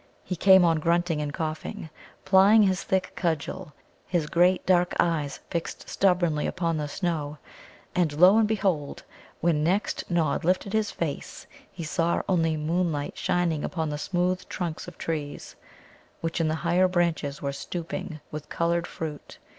He came on grunting and coughing, plying his thick cudgel, his great dark eyes fixed stubbornly upon the snow. And lo and behold! when next Nod lifted his face he saw only moonlight shining upon the smooth trunks of trees, which in the higher branches were stooping with coloured fruit.